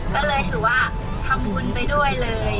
ก็เลยถือว่าทำบุญไปด้วยเลย